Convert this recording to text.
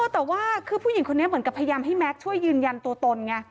แต่ว่าคือผู้หญิงคนนี้เหมือนกับพยายามให้แม็กซ์ช่วยยืนยันตัวตนไง